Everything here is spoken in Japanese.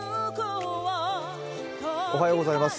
おはようございます。